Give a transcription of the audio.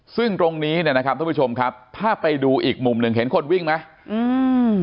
ซึ่งตรงนี้เนี่ยนะครับท่านผู้ชมครับถ้าไปดูอีกมุมหนึ่งเห็นคนวิ่งไหมอืม